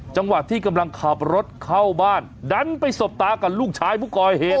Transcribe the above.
จังหวะที่กำลังขับรถเข้าบ้านดันไปสบตากับลูกชายผู้ก่อเหตุ